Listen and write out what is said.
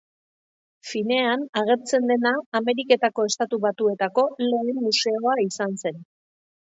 Finean, agertzen dena Ameriketako Estatu Batuetako lehen museoa izan zen.